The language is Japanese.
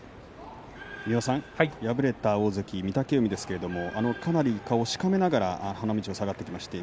敗れた大関御嶽海ですけれどかなり顔をしかめながら花道を下がってきました。